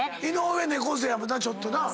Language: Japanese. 井上猫背やもんなちょっとな。